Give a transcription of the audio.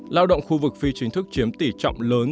lao động khu vực phi chính thức chiếm tỷ trọng lớn